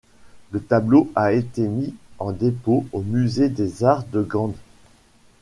Le tableau a été mis en dépôt au Musée des beaux-arts de Gand.